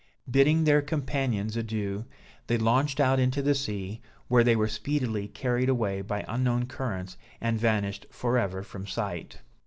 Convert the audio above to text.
Bidding their companions adieu, they launched out into the sea, where they were speedily carried away by unknown currents, and vanished forever from sight.